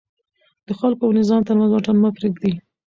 د خلکو او نظام ترمنځ واټن مه پرېږدئ.